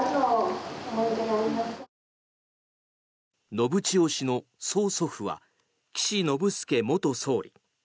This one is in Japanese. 信千世氏の曽祖父は岸信介元総理。